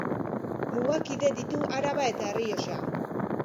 Mugakide ditu Araba eta Errioxa.